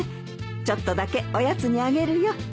ちょっとだけおやつにあげるよ。